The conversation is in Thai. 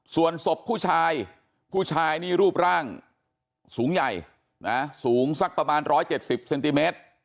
ส่วนศพผู้ชายผู้ชายนี่รูปร่างสูงใหญ่นะสูงสักประมาณ๑๗๐เซนติเมตร